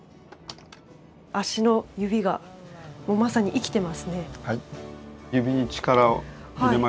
足の指がまさに生きてますね。